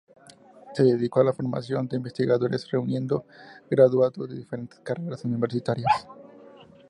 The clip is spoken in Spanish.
Se dedicó a la formación de investigadores reuniendo graduados de diferentes carreras universitarias.